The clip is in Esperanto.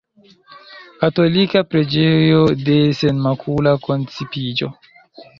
Katolika preĝejo de Senmakula koncipiĝo.